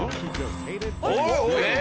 おっ！